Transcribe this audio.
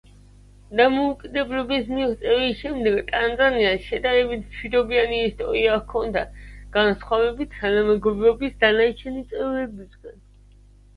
დამოუკიდებლობის მიღწევის შემდეგ ტანზანიას შედარებით მშვიდობიანი ისტორია ჰქონდა, განსხავებით თანამეგობრობის დანარჩენი წევრებისგან.